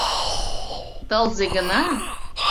Тылзе гына?